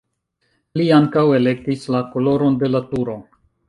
Li ankaŭ elektis la koloron de la turo.